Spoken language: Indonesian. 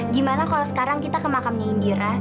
gimana kalau sekarang kita ke makamnya indira